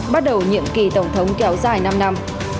bắt đầu nhiệm kỳ tổng thống kéo dài năm năm